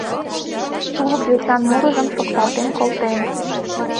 Тулык йочан мурыжым шокталтен колте-ем...